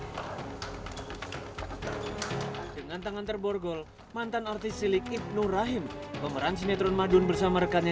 dengan tangan terborgol mantan artis silik ibnur rahim pemeran sinetron madun bersama rekannya